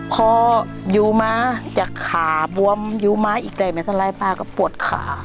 พอยูม้าจะขาบวมยูม้าอีกได้มีอะไรป่าก็ปวดขา